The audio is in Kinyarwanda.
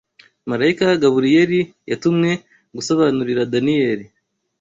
marayika Gaburiyeli yatumwe gusobanurira Daniyeli